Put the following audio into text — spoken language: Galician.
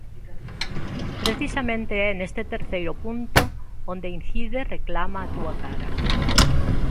Precisamente é neste terceiro punto onde incide Reclama a túa cara.